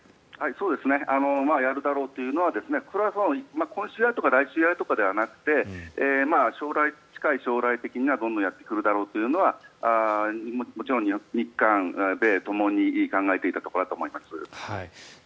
やるだろうというのは今週やるとか来週やるとかではなくて近い将来的には、どんどんやってくるだろうというのはもちろん日韓米ともに考えていたところだと思います。